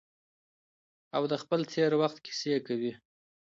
او د خپل تیر وخت کیسې کوي.